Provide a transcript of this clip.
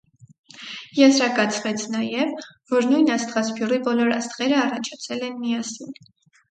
Եզրակացվեց նաև, որ նույն աստղասփյուռի բոլոր աստղերը առաջացել են միասին։